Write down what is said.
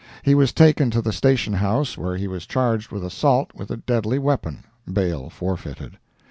He was taken to the station house, where he was charged with assault with a deadly weapon—bail forfeited.